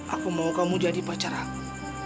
aku mau kamu jadi pacar aku